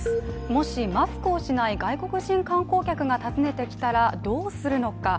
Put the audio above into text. もし、マスクをしない外国人観光客が訪ねてきたらどうするのか。